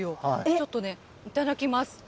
ちょっとね、いただきます。